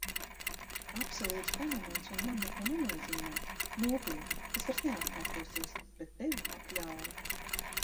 Absolūts fenomens un man neko nenozīmē, nopietni, tas vairs neatkārtosies.... bet tevi pakļāva!